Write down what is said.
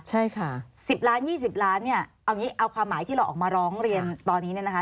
ใช่ค่ะ๑๐ล้าน๒๐ล้านเนี่ยเอางี้เอาความหมายที่เราออกมาร้องเรียนตอนนี้เนี่ยนะคะ